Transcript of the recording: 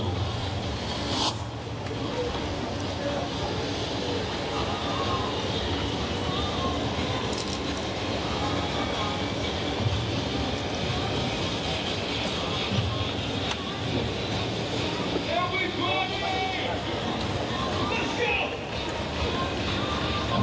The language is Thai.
รักษมณ์ก็ได้